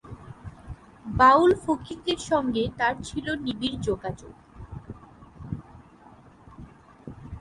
বাউল-ফকিরদের সঙ্গে তার ছিল নিবিড় যোগাযোগ।